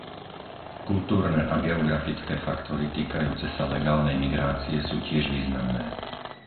Kultúrne a geografické faktory týkajúce sa legálnej migrácie sú tiež významné.